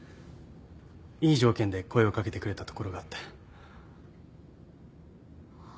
いい条件で声を掛けてくれたところがあって。